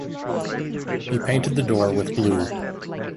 He painted the door with blue.